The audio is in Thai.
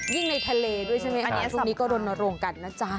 ยิ่งในทะเลด้วยใช่ไหมอันนี้ก็โดนโรงกันนะจ๊ะ